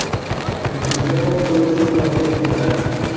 En su extremo, puede ser una dosis letal.